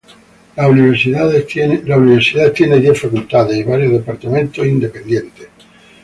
La universidad tiene diez facultades y varios departamentos independientes.